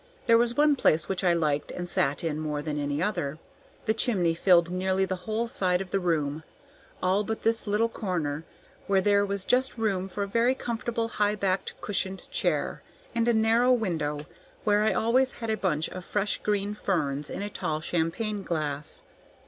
There was one place which I liked and sat in more than any other. The chimney filled nearly the whole side of the room, all but this little corner, where there was just room for a very comfortable high backed cushioned chair, and a narrow window where I always had a bunch of fresh green ferns in a tall champagne glass.